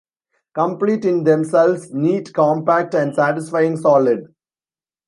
Complete in themselves, neat, compact and satisfying, solid.